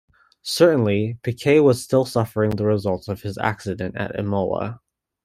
Certainly, Piquet was still suffering the results of his accident at Imola.